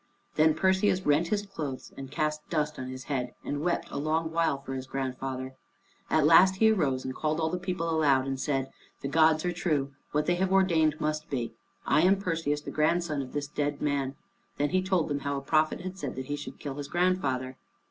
Then Perseus rent his clothes and cast dust on his head, and wept a long while for his grandfather. At last he rose and called to all people aloud and said, "The gods are true: what they have ordained must be; I am Perseus the grandson of this dead man." Then he told them how a prophet had said that he should kill his grandfather.